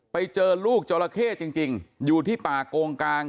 ไปเจอลูกจราเข้จริงอยู่ที่ป่าโกงกลาง